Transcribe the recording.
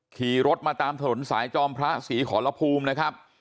ขี่รถมาตามถนนสายจอมพระศรีขอรภูมินะครับ